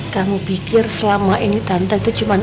kamu pikir selama ini tante itu cuma